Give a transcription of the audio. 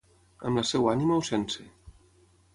Amb la seua ànima o sense.